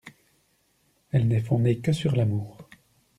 Elle n’est fondée que sur l’amour.